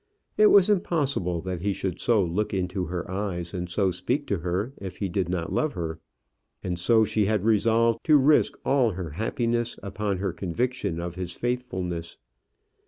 It was impossible that he should so look into her eyes and so speak to her if he did not love her. And so she had resolved to risk all her happiness upon her conviction of his faithfulness.